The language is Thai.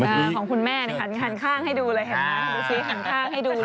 ของคุณแม่หันข้างให้ดูเลยดูสิหันข้างให้ดูเลย